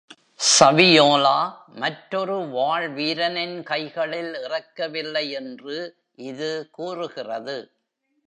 Saviolo மற்றொரு வாள்வீரனின் கைகளில் இறக்கவில்லை என்று இது கூறுகிறது.